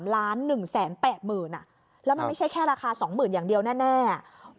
แล้วมันไม่ใช่แค่ราคา๒๐๐๐๐อย่างเดียวแน่